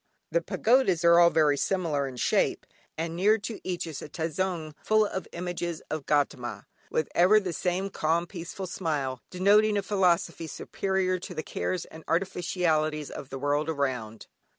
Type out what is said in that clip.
The pagodas are all very similar in shape, and near to each is a tazoung full of images of Gaudama, with ever the same calm peaceful smile, denoting a philosophy superior to the cares and artificialities of the world around.